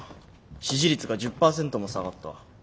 支持率が１０％も下がった。